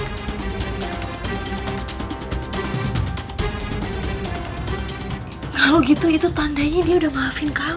kalau gitu itu tandanya dia udah maafin kamu